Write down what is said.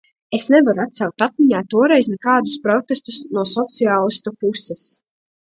Es nevaru atsaukt atmiņā toreiz nekādus protestus no sociālistu puses.